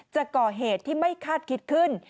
จะก่อเหตุที่ไม่คาดคิดขึ้น